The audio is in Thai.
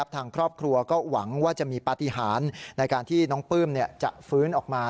ทางครอบครัวก็หวังว่าจะมีปฏิหารในการที่น้องปลื้มจะฟื้นออกมา